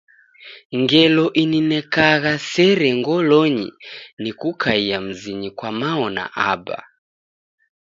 Ngelo ininekagha sere ngolonyi ni kukaia mzinyi kwa mao na aba.